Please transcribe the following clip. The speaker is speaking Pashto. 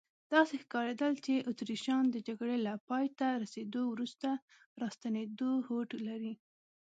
داسې ښکارېدل چې اتریشیان د جګړې له پایته رسیدو وروسته راستنېدو هوډ لري.